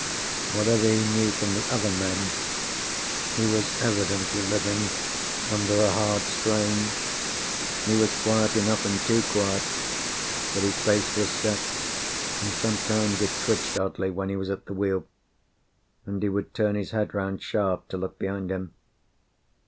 Whatever he knew from the other men, he was evidently living under a hard strain. He was quiet enough, and too quiet; but his face was set, and sometimes it twitched oddly when he was at the wheel, and he would turn his head round sharp to look behind him.